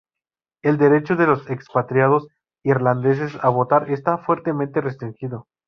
El derecho de los expatriados irlandeses a votar está fuertemente restringido.